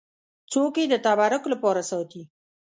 څوک یې د تبرک لپاره ساتي.